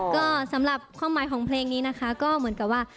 ก็สำหรับความหมายของเพลงนี้นะคะก็เหมือนกับว่า